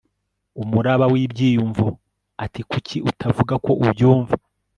umuraba w'ibyiyumvo. ati kuki utavuga ko ubyumva